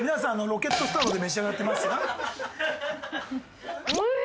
ロケットスタートで召し上がられてますが。